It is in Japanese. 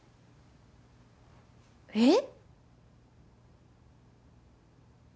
えっ！？